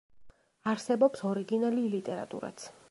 არსებობს ორიგინალი ლიტერატურაც.